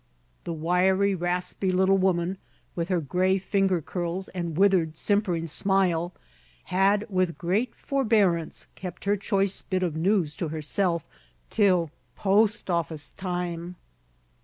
The wiry, raspy little woman, with her gray finger curls and withered, simpering smile, had, with great forbearance, kept her choice bit of news to herself till "post office time."